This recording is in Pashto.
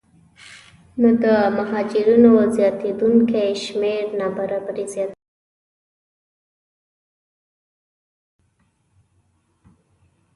نو د مهاجرینو زیاتېدونکی شمېر نابرابري زیاتوي